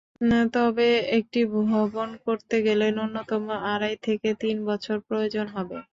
তবে একটি ভবন করতে গেলে ন্যূনতম আড়াই থেকে তিন বছর প্রয়োজন হবে।